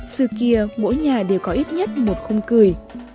xưa kia mỗi nhà đều có ít nhất một khung cười